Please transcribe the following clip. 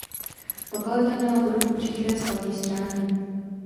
Lokalita měla podobu příkré skalní stráně.